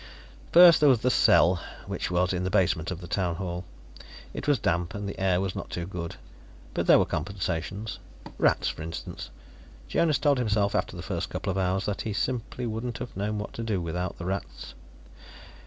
First there was the cell, which was in the basement of the Town Hall. It was damp and the air was not too good, but there were compensations. Rats, for instance. Jonas told himself, after the first couple of hours, that he simply wouldn't have known what to do without the rats.